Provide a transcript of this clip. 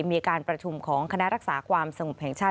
มีการประชุมของคณะรักษาความสงบแห่งชาติ